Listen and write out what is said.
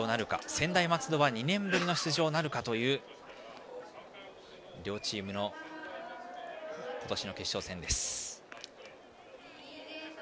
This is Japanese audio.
専大松戸は２年ぶりの出場なるかという両チームの今年の決勝戦です。